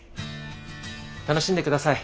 楽しんで下さい。